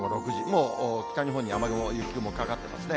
もう北日本に雨雲、雪雲かかってますね。